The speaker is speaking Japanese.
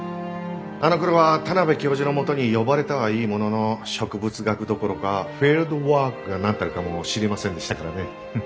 あのころは田邊教授のもとに呼ばれたはいいものの植物学どころかフィールドワークが何たるかも知りませんでしたからね。